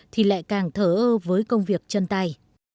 thì lại càng thở ơ với công việc chân tay